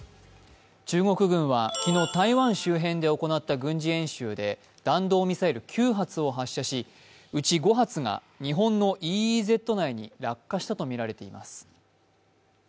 中国軍は昨日、台湾周辺で行った軍事演習で、弾道ミサイル９発を発射しうち５発が日本のＥＥＺ内に落下したとみられています。